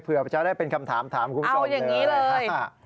เผื่ออาจารย์ได้เป็นคำถามถามคุณผู้ชมเลยค่ะเอาอย่างนี้เลย